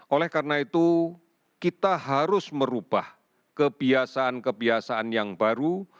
oleh karena itu kita harus merubah kebiasaan kebiasaan yang baru